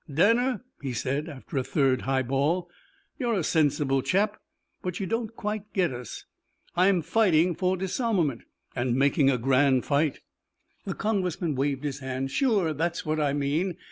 "Danner," he said, after a third highball, "you're a sensible chap. But you don't quite get us. I'm fighting for disarmament " "And making a grand fight " The Congressman waved his hand. "Sure. That's what I mean.